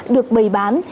được bày bán